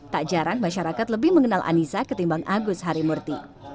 tak jarang masyarakat lebih mengenal anissa ketimbang agus harimurti